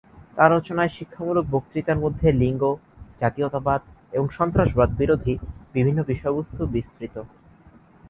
তার রচনায় শিক্ষামূলক বক্তৃতার মধ্যে লিঙ্গ, জাতীয়তাবাদ এবং সন্ত্রাসবাদ বিরোধী বিভিন্ন বিষয়বস্তু বিস্তৃত।